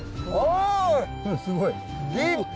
すごい。